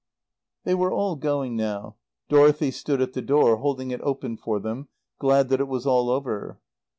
They were all going now. Dorothy stood at the door, holding it open for them, glad that it was all over.